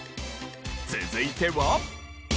続いては。